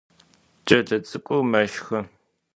Ç'elets'ık'ur meşxı.